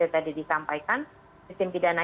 tadi disampaikan sistem pidana